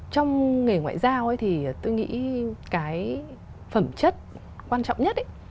trong nghề ngoại giao thì tôi nghĩ cái phẩm chất quan trọng nhất